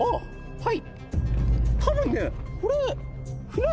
はい。